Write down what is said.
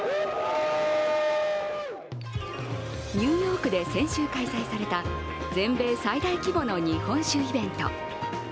ニューヨークで先週、開催された全米最大規模の日本酒イベント。